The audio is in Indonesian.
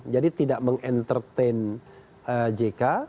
jadi tidak mengentertain jk